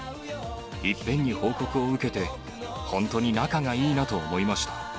いっぺんに報告を受けて、ほんとに仲がいいなと思いました。